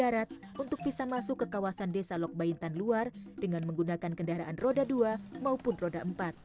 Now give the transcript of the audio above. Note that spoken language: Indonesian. darat untuk bisa masuk ke kawasan desa lok baintan luar dengan menggunakan kendaraan roda dua maupun roda empat